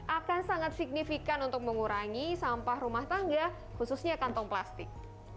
akan sangat signifikan untuk mengurangi sampah rumah tangga khususnya kantong plastik